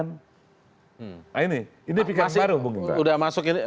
nah ini ini pikiran baru bung bung